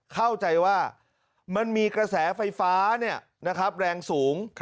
เข้าใจว่ามันมีกระแสไฟฟ้าเนี่ยนะครับแรงสูง